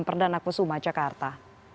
perdana kusuma jakarta